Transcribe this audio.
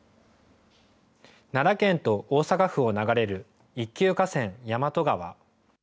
奈良県と大阪府を流れる一級河川、大和川。